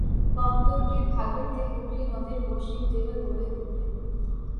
বন্দরটি ভাগীরথী-হুগলী নদীর পশ্চিম তীরে গড়ে উঠবে।